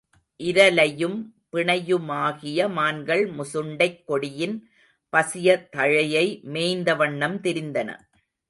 இரலையும் பிணையுமாகிய மான்கள் முசுண்டைக் கொடியின் பசிய தழையை மேய்ந்தவண்ணம் திரிந்தன.